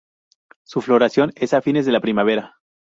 Su floración es a fines de la primavera.